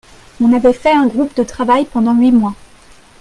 On avait fait un groupe de travail pendant huit mois.